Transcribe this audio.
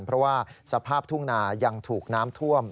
เพราะว่าสภาพทุ่งนายังถูกน้ำท่วม